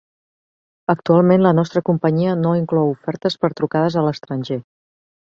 Actualment la nostra companyia no inclou ofertes per trucades a l'estranger.